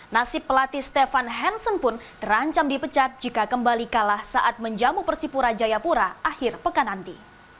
nasib pelatih stefan hansen pun terancam dipecat jika kembali kalah saat menjamu persipura jayapura akhir pekan nanti